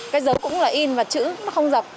cái dấu cũng là in và chữ nó không dập